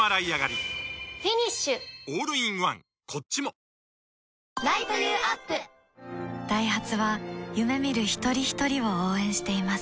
新発売ダイハツは夢見る一人ひとりを応援しています